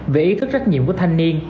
về ý thức trách nhiệm của thanh niên